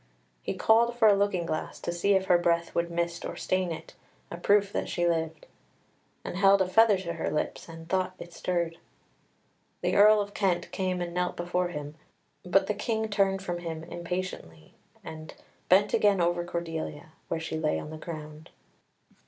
He called for a looking glass, to see if her breath would mist or stain it, a proof that she lived; and held a feather to her lips, and thought it stirred. The Earl of Kent came and knelt before him, but the King turned from him impatiently, and bent again over Cordelia, where she lay on the ground.